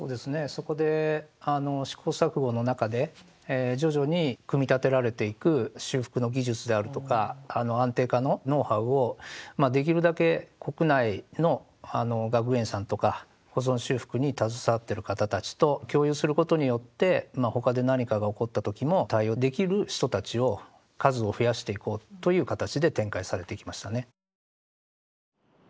そこで試行錯誤の中で徐々に組み立てられていく修復の技術であるとか安定化のノウハウをできるだけ国内の学芸員さんとか保存修復に携わってる方たちと共有することによって他で何かが起こった時も対応できる人たちを数を増やしていこうという形で展開されてきましたね。